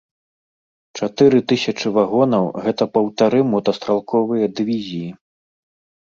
Чатыры тысячы вагонаў гэта паўтары мотастралковыя дывізіі.